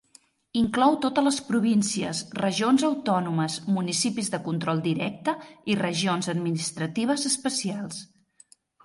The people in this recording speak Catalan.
Inclou totes les províncies, regions autònomes, municipis de control directe i regions administratives especials.